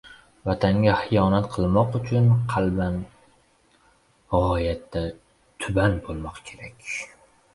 Vatanga xiyonat qilmoq uchun qalban g‘oyatda tuban bo‘lmoq kerak.